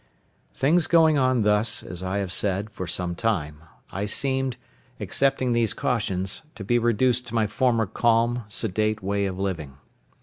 Things going on thus, as I have said, for some time, I seemed, excepting these cautions, to be reduced to my former calm, sedate way of living.